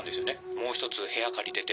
もう１つ部屋借りてて。